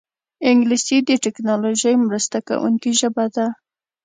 انګلیسي د ټیکنالوژۍ مرسته کوونکې ژبه ده